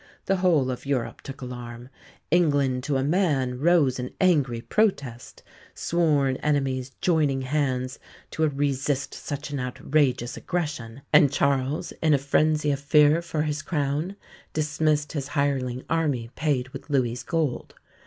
The whole of Europe took alarm; England to a man rose in angry protest, sworn enemies joining hands to resist such an outrageous aggression; and Charles, in a frenzy of fear for his crown, dismissed his hireling army paid with Louis's gold.